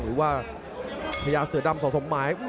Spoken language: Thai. หรือว่าพญาเสือดำสะสมหมาย